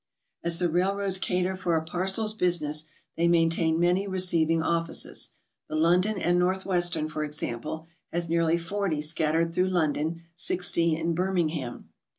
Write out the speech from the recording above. As the railroads cater for a parcels business, they main tain many receiving offices. The London & Northwestern, for example, has nearly 40 scattered through London, 60 in Birmingham.